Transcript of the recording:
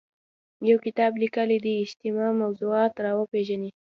یو کتاب لیکلی دی اجماع موضوعات راوپېژني